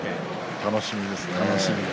楽しみですね。